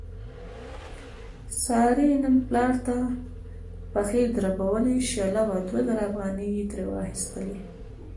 سارې نن پلار ته پښې دربولې، شله وه دوه زره افغانۍ یې ترې واخستلې.